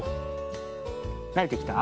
なれてきた？